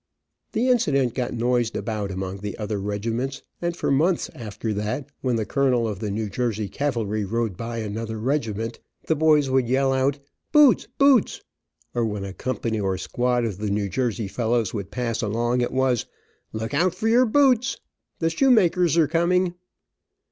The incident got noised around among the other regiments, and for months after that, when the colonel of the New Jersey cavalry rode by another regiment, the boys would yell out, "Boots, boots," or when a company or squad of the New Jersey fellows would pass along, it was "Look out for your boots! The shoemakers are coming."